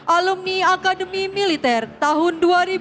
alumni akademi militer tahun dua ribu dua